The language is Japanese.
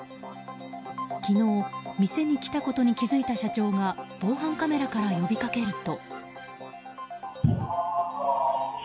昨日、店に来たことに気づいた社長が防犯カメラから呼びかけると。